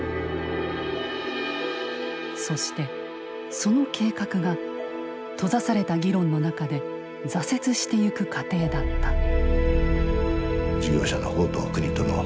そしてその計画が閉ざされた議論の中で挫折してゆく過程だった。